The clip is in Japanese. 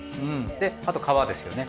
であと皮ですよね。